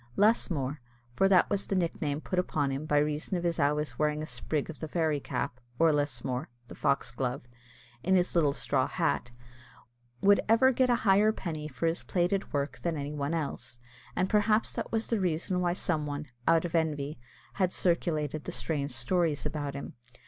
Lusmore, for that was the nickname put upon him by reason of his always wearing a sprig of the fairy cap, or lusmore (the foxglove), in his little straw hat, would ever get a higher penny for his plaited work than any one else, and perhaps that was the reason why some one, out of envy, had circulated the strange stories about him.